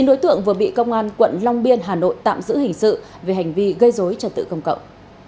chín đối tượng vừa bị công an quận long biên hà nội tạm giữ hình sự về hành vi gây dối trật tự công cộng